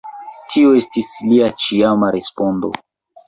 Tio estis lia ĉiama respondo.